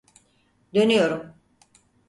Dönüyorum.